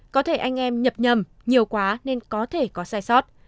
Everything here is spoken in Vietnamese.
có thể anh em nhập nhầm nhiều quá nên có thể có sai sót